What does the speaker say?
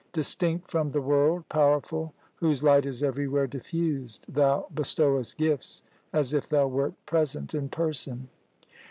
Distinct from the world, powerful, whose light is everywhere diffused, Thou bestowest gifts as if Thou wert present in person.